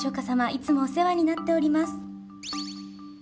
いつもお世話になっております。